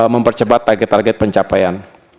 mempercepat target target pencapaian